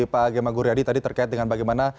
pak gemma guryadi tadi terkait dengan bagaimana